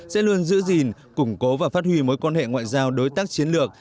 sẽ luôn giữ gìn củng cố và phát huy mối quan hệ ngoại giao đối tác chiến lược